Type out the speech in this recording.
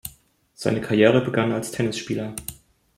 Seine Karriere begann er als Tennisspieler.